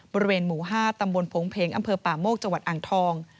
บริเวณหมู่๕ตำบลโผงเพงอำเภอป่าโมกจังหวัดอ่างทอง